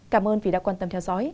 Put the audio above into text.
cảm ơn vì đã quan tâm theo dõi